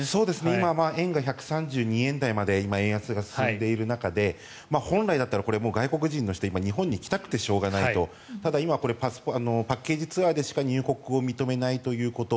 今、円が１３２円台まで今、円安が進んでいる中で本来だったらこれ、外国人の人日本に来たくてしょうがないとただ、今パッケージツアーでしか入国を認めないということ。